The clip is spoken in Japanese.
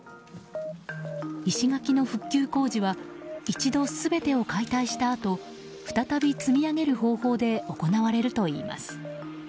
石垣の復旧工事は一度、全てを解体したあと再び積み上げる方法で行われるといいます。